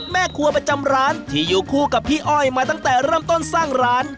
แม่ครัวประจำร้านที่อยู่คู่กับพี่อ้อยมาตั้งแต่เริ่มต้นสร้างร้าน